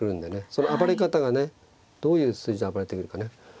その暴れ方がねどういう筋で暴れてくるかね。